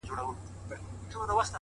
اوس مي د زړه قلم ليكل نه كوي،